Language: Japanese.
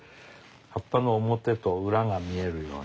葉っぱの表と裏が見えるように。